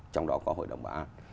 trong đó có hội đồng bà an